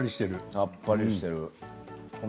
さっぱりしている。